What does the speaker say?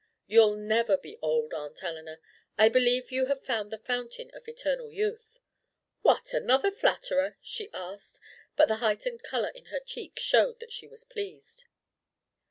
"You'll never be old, Aunt Eleanor. I believe you have found the fountain of eternal youth." "What, another flatterer?" she asked, but the heightened colour in her cheeks showed that she was pleased.